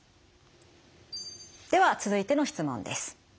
では続いての質問です。